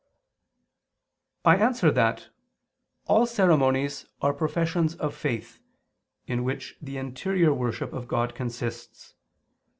I answer that, All ceremonies are professions of faith, in which the interior worship of God consists.